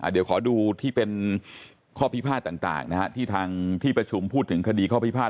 เดี๋ยวขอดูที่เป็นข้อพิพาทต่างที่ทางที่ประชุมพูดถึงคดีข้อพิพาท